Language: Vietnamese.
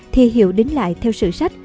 thì hiệu đính lại theo sử sách